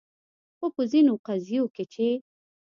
خو په ځینو قضیو کې چې